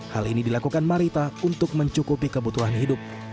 hal ini dilakukan marita untuk mencukupi kebutuhan hidup